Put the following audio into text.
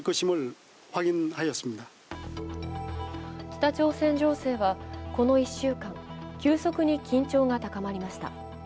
北朝鮮情勢は、この１週間、急速に緊張が高まりました。